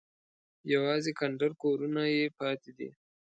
یوازې کنډر کورونه یې پاتې دي.